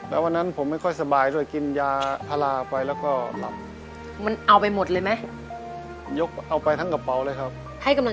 แล้ววันนั้นผมไม่ค่อยสบายด้วยกินยาพลาไปแล้วก็หลับ